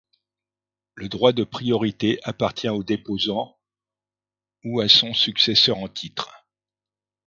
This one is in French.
Le droit de priorité appartient au déposant ou à son successeur en titre.